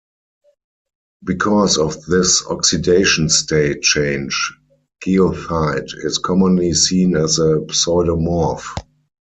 Because of this oxidation state change, goethite is commonly seen as a pseudomorph.